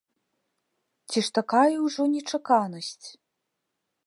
Ці ж такая ўжо нечаканасць?